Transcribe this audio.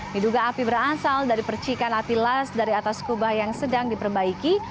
diduga api berasal dari percikan api las dari atas kubah yang sedang diperbaiki